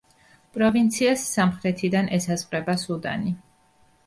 პროვინციას სამხრეთიდან ესაზღვრება სუდანი.